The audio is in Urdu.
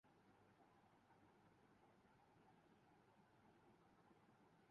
اور اب ہر کوئی اپنا تن ڈھانپٹنے کی کوششوں میں مصروف ہے